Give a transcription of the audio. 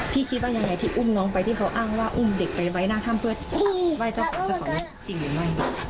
คิดว่ายังไงที่อุ้มน้องไปที่เขาอ้างว่าอุ้มเด็กไปไว้หน้าถ้ำเพื่อไหว้เจ้าของเจ้าของจริงหรือไม่